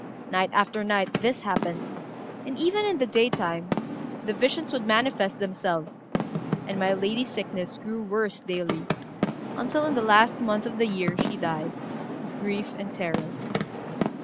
Night after night this happened, and even in the daytime the visions would manifest themselves; and my lady's sickness grew worse daily, until in the last month of the year she died, of grief and terror.